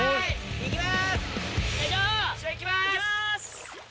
行きます！